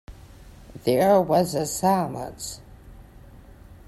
There was a silence.